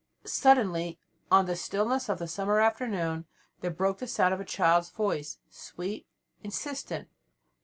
Suddenly on the stillness of the summer afternoon there broke the sound of a child's voice, sweet, insistent.